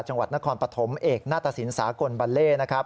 จังหวัดนครปฐมเอกหน้าตะศิลป์สากลบาเล